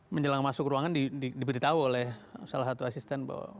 menjelang masuk ruangan diberitahu oleh salah satu asisten bahwa